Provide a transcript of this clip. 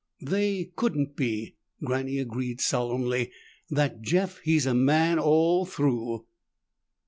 "They couldn't be," Granny agreed solemnly. "That Jeff, he's man all through."